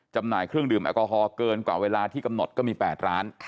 จำหน่ายเครื่องดื่มแอลกอฮอลเกินกว่าเวลาที่กำหนดก็มี๘ร้าน